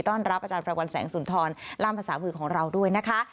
รับอาจารย์ประวัลแสงสุนทรล่ามภาษามือของเราด้วยนะคะ